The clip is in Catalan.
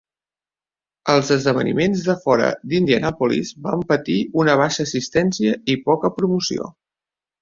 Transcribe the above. Els esdeveniments de fora d'Indianapolis van patir una baixa assistència i poca promoció.